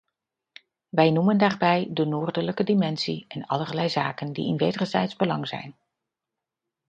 Wij noemen daarbij de noordelijke dimensie en allerlei zaken die in wederzijds belang zijn.